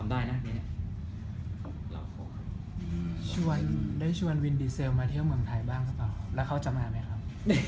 ได้นะชวนวินดีเซลมาเที่ยวเมืองไทยบ้างหรือเปล่าครับแล้วเขาจะมาไหมครับ